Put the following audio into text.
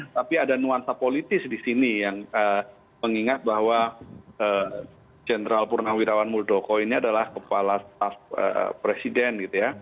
tapi ada nuansa politis di sini yang mengingat bahwa jenderal purnawirawan muldoko ini adalah kepala staff presiden